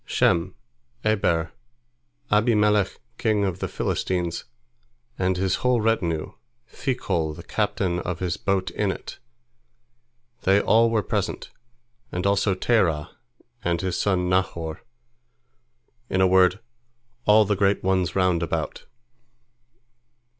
Shem, Eber, Abimelech king of the Philistines, and his whole retinue, Phicol the captain of his host in it—they all were present, and also Terah and his son Nahor, in a word, all the great ones round about.